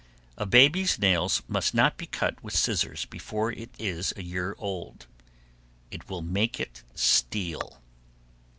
A baby's nails must not be cut with scissors before it is a year old; it will make it steal.